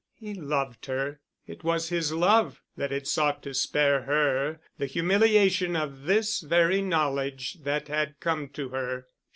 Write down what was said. He loved her.... It was his love that had sought to spare her the humiliation of this very knowledge that had come to her.